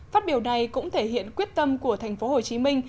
phát biểu này cũng thể hiện quyết tâm của thành phố hồ chí minh